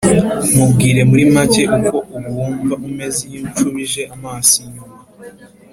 Mubwire muri make uko ubu wumva umeze iyo unshubije amaso inyuma